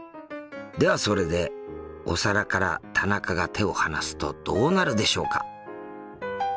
ではそれでお皿から田中が手を離すとどうなるでしょうか？